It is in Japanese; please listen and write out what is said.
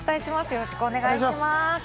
よろしくお願いします。